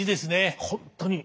本当に。